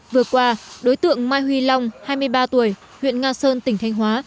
vừa qua đối tượng mai huy long hai mươi ba tuổi huyện nga sơn tỉnh thanh hóa